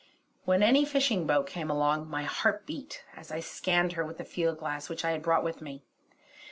When any fishing boat came along, my heart beat as I scanned her with the field glass which I had brought with me.